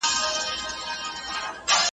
نه به یې په سیوري پسي ځغلي ماشومان د ښار .